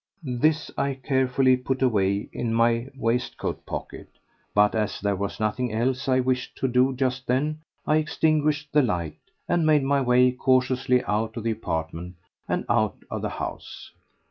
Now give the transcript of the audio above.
This I carefully put away in my waistcoat pocket, but as there was nothing else I wished to do just then I extinguished the light and made my way cautiously out of the apartment and out of the house.